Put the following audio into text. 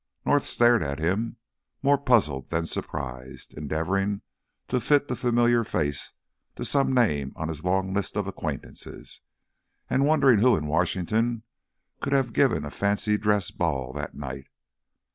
North stared at him, more puzzled than surprised, endeavouring to fit the familiar face to some name on his long list of acquaintances, and wondering who in Washington could have given a fancy dress ball that night.